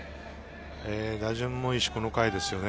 打順もいいし、この回ですよね。